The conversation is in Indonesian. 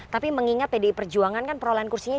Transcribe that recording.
tapi mengingat pdi perjuangan kan perolehan kursinya